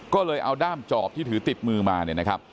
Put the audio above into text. ก็เลยเอาด้ามจอบที่ถือติดมือมาเนี่ยนะครับ